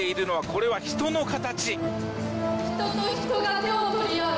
これは人の形。